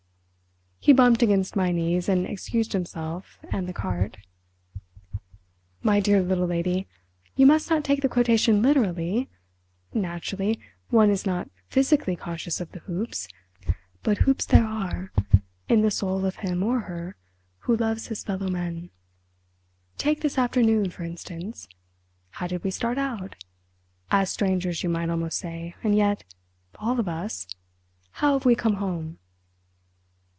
He bumped against my knees and excused himself and the cart. "My dear little lady, you must not take the quotation literally. Naturally, one is not physically conscious of the hoops; but hoops there are in the soul of him or her who loves his fellow men.... Take this afternoon, for instance. How did we start out? As strangers you might almost say, and yet—all of us—how have we come home?"